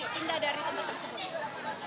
pindah dari tempat tersebut